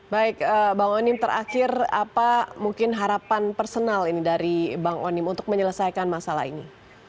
baik bang onim terakhir apa mungkin harapan personal ini dari bang onim untuk menyelesaikan masalah ini